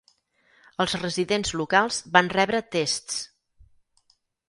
Els residents locals van rebre tests.